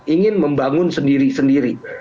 ingin membangun sendiri sendiri